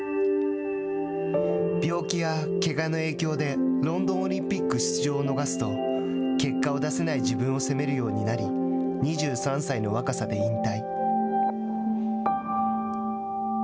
病気や、けがの影響でロンドンオリンピック出場を逃すと結果を出さない自分を責めるようになり２３歳の若さで引退。